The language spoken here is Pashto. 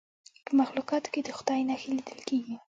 په مخلوقاتو کې د خدای نښې لیدل کیږي.